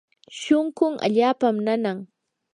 shunqun allaapam nanan.